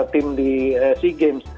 tim di sea games